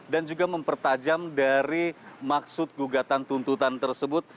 dan juga mempertajam dari maksud gugatan tuntutan tersebut